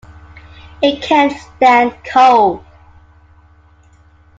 It can't stand cold!